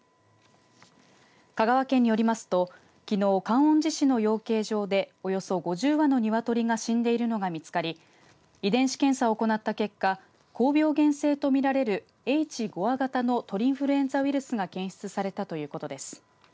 香川県によりますときのう、観音寺市の養鶏場でおよそ５０羽の鶏が死んでいるのが見つかり遺伝子検査を行った結果高病原性と見られるＨ５亜型の鳥インフルエンザウイルスが検出されたということです。